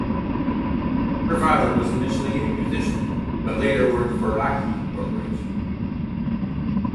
Her father was initially a musician but later worked for Lockheed Corporation.